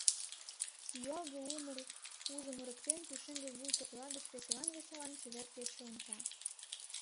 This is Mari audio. Юалге умыр южым ырыктен, пушеҥге вуй кокла гыч веселан-веселан чевер кече онча.